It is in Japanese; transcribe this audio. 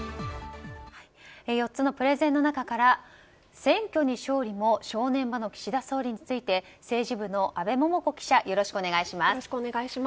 ４つのプレゼンの中から選挙に勝利も正念場の岸田総理について政治部の阿部桃子記者よろしくお願いします。